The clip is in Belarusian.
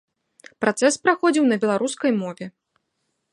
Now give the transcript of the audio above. Працэс праходзіў на беларускай мове.